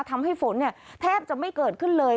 ทำให้ฝนแทบจะไม่เกิดขึ้นเลย